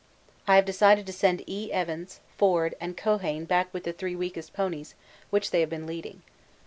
I have decided to send E. Evans, Forde, and Keohane back with the three weakest ponies which they have been leading.